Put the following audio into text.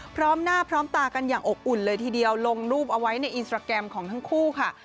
พร้อมหน้าพร้อมตากันอย่างอบอุ่นเลยทีเดียวลงรูปเอาไว้ในอินสตราแกรมของทั้งคู่ค่ะ